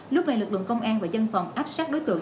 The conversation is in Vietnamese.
lúc này lực lượng công an và dân phòng áp sát đối tượng